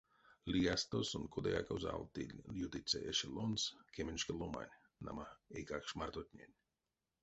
Лиясто сон кодаяк озавтыль ютыця эшелонс кеменьшка ломань, нама, эйкакш мартотнень.